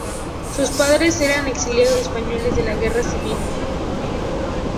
Sus padres eran exiliados españoles de la guerra civil.